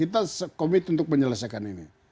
kita komit untuk menyelesaikan ini